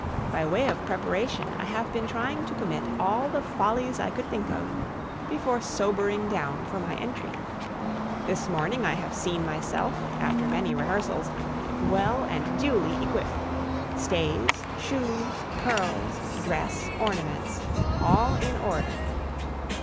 By way of preparation I have been trying to commit all the follies I could think of before sobering down for my entry. This morning, I have seen myself, after many rehearsals, well and duly equipped stays, shoes, curls, dress, ornaments, all in order.